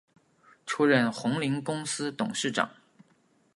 出任鸿霖公司董事长。